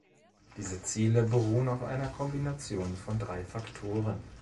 Diese Ziele beruhten auf einer Kombination von drei Faktoren.